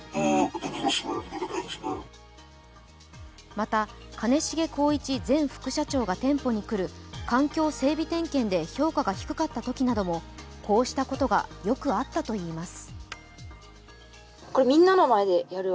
また、兼重宏一前副社長が店舗に来る環境整備点検で評価が低かったときなどもこうしたことがよくあったといいます。